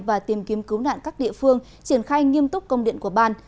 và tìm kiếm cứu nạn các địa phương triển khai nghiêm túc công điện của ban